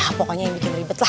ah pokoknya yang bikin ribet lah